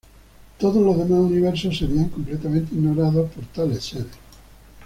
Todos los demás universos serían completamente ignorados por tales seres.